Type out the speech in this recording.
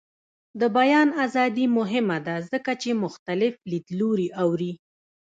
د بیان ازادي مهمه ده ځکه چې مختلف لیدلوري اوري.